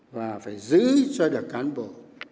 và phải giữ cho được cán bộ